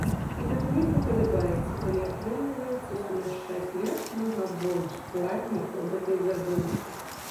І нам вельмі падабаецца, калі атрымліваецца сумяшчаць як мага больш складнікаў гэтай задумы.